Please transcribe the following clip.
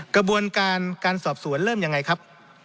กระบวนการการสอบสวนเริ่มยังไงครับ